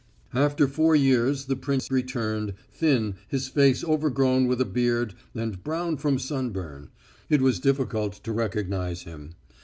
After four years the prince returned, thin, his face overgrown with a beard and brown from sunburn it was difficult to recognise him.